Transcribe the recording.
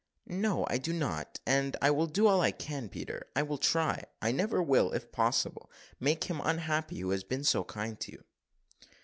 "No, I do not: and I will do all I can, Peter I will try I never will, if possible, make him unhappy who has been so kind to you."